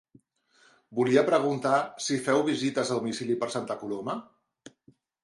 Volia preguntar si feu visites a domicili per Santa Coloma?